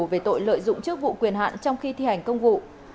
về tội lợi dụng chức vụ quyền hạn trong khi thi hành công vụ